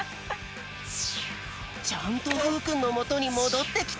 ちゃんとふうくんのもとにもどってきた！